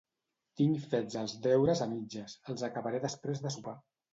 Tinc fets els deures a mitges. Els acabaré després de sopar.